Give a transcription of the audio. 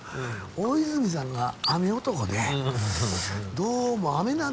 「大泉さんが雨男でどうも雨なんですよ」と。